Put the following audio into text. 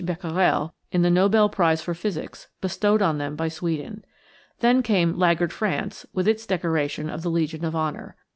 Becquerel in the Nobel prize for physics bestowed on them by Sweden. Then came laggard France with its decoration of the Legion of Honor.